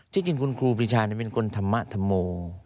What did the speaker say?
ที่จริงคุณครูปีชานี่เป็นคนธรรมะธโม